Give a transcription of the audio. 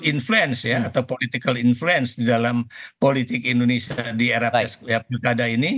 influence ya atau political influence di dalam politik indonesia di era pilkada ini